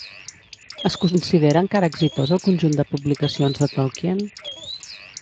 Es considera encara exitós el conjunt de publicacions de Tolkien?